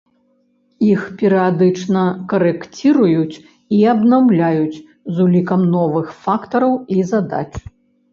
Іх перыядычна карэкціруюць і абнаўляюць з улікам новых фактараў і задач.